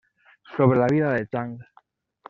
Sobre la vida de Zhang.